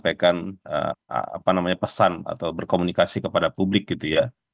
saya juga ingin menyampaikan pesan atau berkomunikasi kepada publik gitu ya